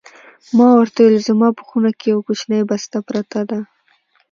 ما ورته وویل: زما په خونه کې یوه کوچنۍ بسته پرته ده.